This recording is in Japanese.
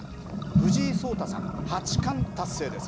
藤井聡太さん、八冠達成です。